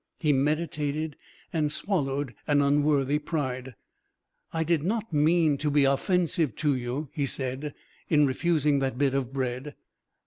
He meditated, and swallowed an unworthy pride. "I did not mean to be offensive to you," he said, "in refusing that bit of bread."